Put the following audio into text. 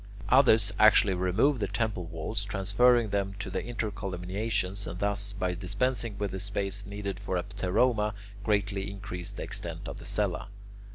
Others actually remove the temple walls, transferring them to the intercolumniations, and thus, by dispensing with the space needed for a pteroma, greatly increase the extent of the cella.